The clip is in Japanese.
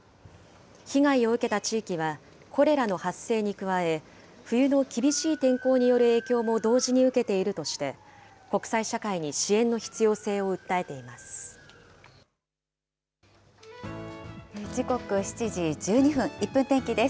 被害を受けた地域は、コレラの発生に加え、冬の厳しい天候による影響も同時に受けているとして、国際社会に支援の必要性を訴えています。